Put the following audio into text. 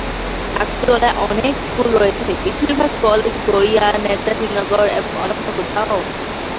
নাকতলায় অনেক স্কুল রয়েছে, বেশিরভাগ কলেজ গড়িয়া, নেতাজি নগর এবং অন্য কোথাও।